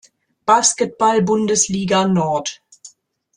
Basketball-Bundesliga Nord.